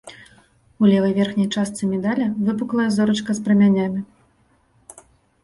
У левай верхняй частцы медаля выпуклая зорачка з прамянямі.